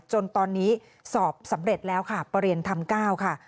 จนตอนนี้สอบสำเร็จแล้วค่ะประเรียนธรรม๙ค่ะ